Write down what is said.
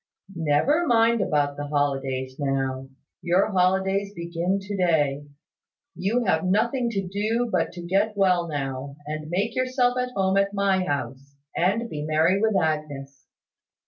"Never mind about the holidays now. Your holidays begin to day. You have nothing to do but to get well now, and make yourself at home at my house, and be merry with Agnes.